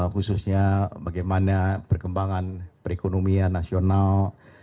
khususnya bagaimana perkembangan perekonomian nasional